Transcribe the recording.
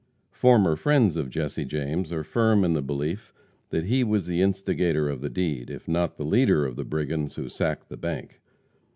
Former friends of Jesse James are firm in the belief that he was the instigator of the deed, if not the leader of the brigands who sacked the bank.